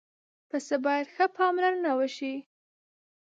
پسه باید ښه پاملرنه وشي.